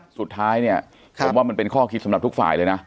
สุดท้ายเนี่ยผมว่ามันเป็นข้อคิดสำหรับทุกฝ่ายเลยนะ